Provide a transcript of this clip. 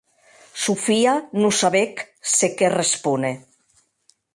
Sofia non sabec se qué respóner.